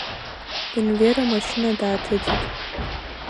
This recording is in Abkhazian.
Енвер амашьына дааҭыҵит.